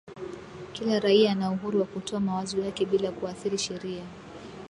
kila raia ana uhuru wa kutoa mawazo yake bila kuathiri sheria